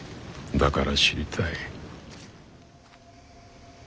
だから知りたい。